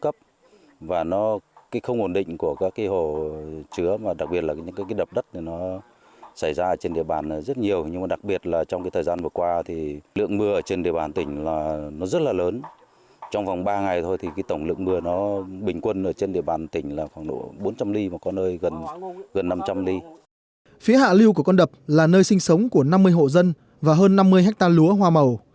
phía hạ lưu của con đập là nơi sinh sống của năm mươi hộ dân và hơn năm mươi ha lúa hoa màu